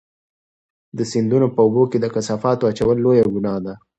د سیندونو په اوبو کې د کثافاتو اچول لویه ګناه ده.